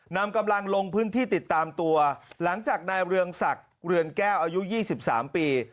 นำกำลังลงพื้นที่ติดตามตัวหลังจากนายเรืองศักดิ์เรือนแก้วอายุ๒๓ปี